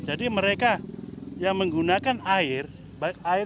jadi mereka yang menggunakan air